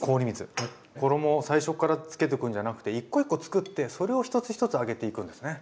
衣を最初からつけとくんじゃなくて１コ１コ作ってそれを１つ１つ揚げていくんですね。